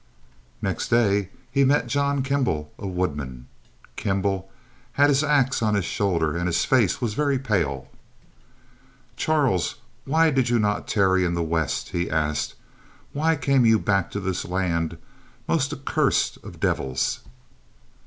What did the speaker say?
Next day he met John Kembal, a woodman. Kembal had his axe on his shoulder, and his face was very pale. "Charles, why did you not tarry in the west?" he asked. "Why came you back to this land most accursed of devils."